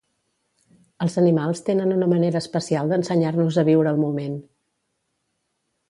Els animals tenen una manera especial d'ensenyar-nos a viure el moment.